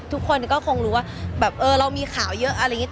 ทุกคนก็คงรู้ว่าแบบเออเรามีข่าวเยอะอะไรอย่างนี้